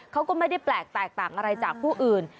เขาก็ไม่ได้แปลกแตกต่างอะไรจากผู้อื่น